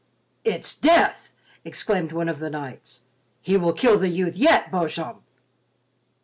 "It's death!" exclaimed one of the knights, "he will kill the youth yet, Beauchamp."